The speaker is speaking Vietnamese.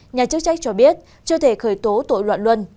nhà chức trách cho biết chưa thể khởi tố tội loạn luân